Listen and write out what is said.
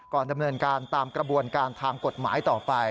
ดำเนินการตามกระบวนการทางกฎหมายต่อไป